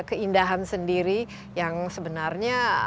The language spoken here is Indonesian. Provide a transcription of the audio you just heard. keindahan sendiri yang sebenarnya